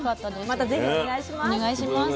またぜひお願いします。